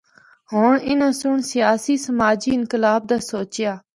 ہور اناں سنڑ سیاسی و سماجی انقلاب دا سوچیا۔